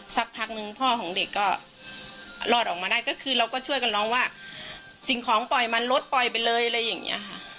สักพักนึงพ่อของเด็กก็รอดออกมาได้ก็คือเราก็ช่วยกับน้องว่าสิ่งของปล่อยมันลดปล่อยไปเลยอะไรอย่างนี้ค่ะ